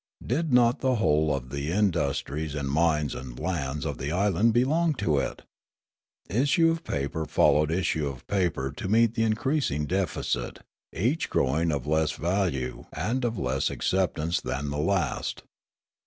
Did not the whole of the industries and mines and lands of the island belong to it ? Issue of paper followed issue of paper to meet the increasing deficit, each growing of less value and of less accept ance than the last.